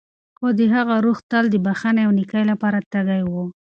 خو د هغه روح تل د بښنې او نېکۍ لپاره تږی و.